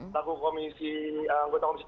taku komisi anggota komisi tiga dpr